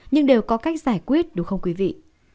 nhưng đều có cách giải quyết đúng không quý vị